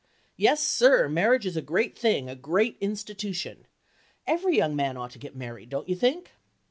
Yes, sir, marriage is a great thing—a great institution. Every young man ought to get married, don't you think?